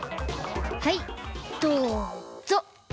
はいどうぞ！